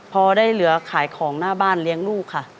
พอได้เหลือขายของหน้าบ้านเลี้ยงลูกค่ะ